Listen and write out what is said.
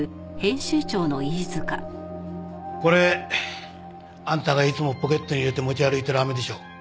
これあんたがいつもポケットに入れて持ち歩いてるあめでしょ？